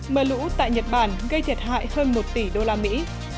mưa lũ tại nhật bản gây thiệt hại hơn một tỷ đô la mỹ